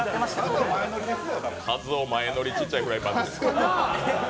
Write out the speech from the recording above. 和生前乗り、ちっちゃいフライパンです。